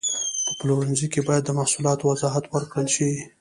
په پلورنځي کې باید د محصولاتو وضاحت ورکړل شي.